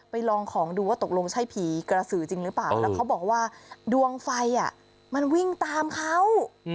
ลองของดูว่าตกลงใช่ผีกระสือจริงหรือเปล่าแล้วเขาบอกว่าดวงไฟมันวิ่งตามเขา